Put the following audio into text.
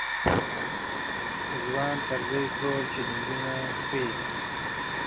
ځوان طرزی ټول چلنجونه پېيي.